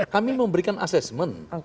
kami memberikan assessment